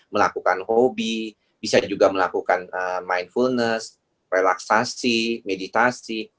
melakukan hobi bisa juga melakukan mindfulness relaksasi meditasi